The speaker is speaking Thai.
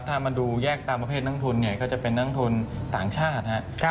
ถ้ามาดูแยกตามประเภทนักทุนเนี่ยก็จะเป็นนักทุนต่างชาติ